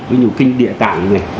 với nhiều kinh địa tạng này